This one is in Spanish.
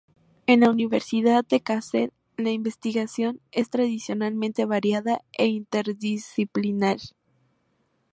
En la Universidad de Kassel la investigación es tradicionalmente variada e interdisciplinar.